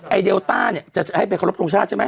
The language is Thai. เดลต้าเนี่ยจะให้ไปขอรบทรงชาติใช่ไหม